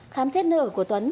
khám xét nơi ở của tuấn